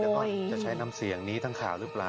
เดี๋ยวก่อนจะใช้นำเสียงนี้ทั้งข่าวรึเปล่า